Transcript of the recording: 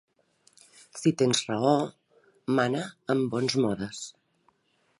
Si tens raó, mana am bons modes